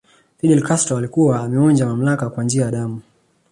Fidel Castro alikuwa ameonja mamlaka kwa njia ya damu